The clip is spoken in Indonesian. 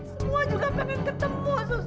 semua juga pengen ketemu